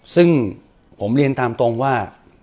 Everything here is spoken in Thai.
ซึ่งผมเรียนตามตรงว่า